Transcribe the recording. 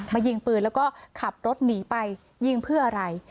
ยิงปืนแล้วก็ขับรถหนีไปยิงเพื่ออะไร